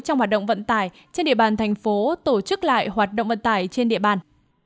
trong hoạt động vận tải trên địa bàn thành phố tổ chức lại hoạt động vận tải trên địa bàn